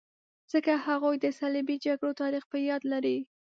ځکه هغوی د صلیبي جګړو تاریخ په یاد لري.